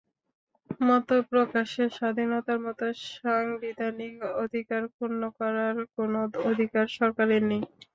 মতপ্রকাশের স্বাধীনতার মতো সাংবিধানিক অধিকার ক্ষুণ করার কোনো অধিকার সরকারের নেই।